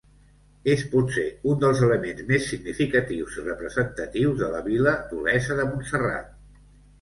És potser un dels elements més significatius i representatius de la vila d'Olesa de Montserrat.